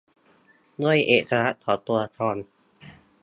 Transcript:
ด้วยเอกลักษณ์ของตัวละคร